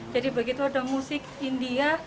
jadi begitu ada musik india